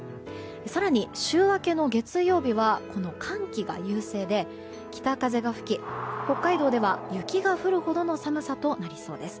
更に週明けの月曜日は寒気が優勢で、北風が吹き北海道では雪が降るほどの寒さとなりそうです。